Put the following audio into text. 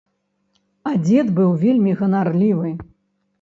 А дзед быў вельмі ганарлівы.